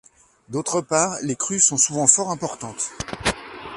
D'autre part les crues sont souvent fort importantes.